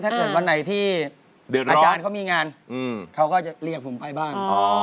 ถ้าเกิดวันไหนที่อาจารย์เขามีงานเขาก็จะเรียกผมไปบ้าน